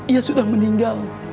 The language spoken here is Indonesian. ia sudah meninggal